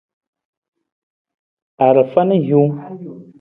Arafa na hiwung.